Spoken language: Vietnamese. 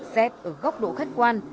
xét ở góc độ khách quan